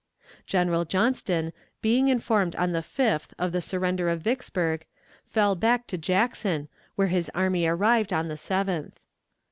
General Johnston, being informed on the 5th of the surrender of Vicksburg, fell back to Jackson, where his army arrived on the 7th.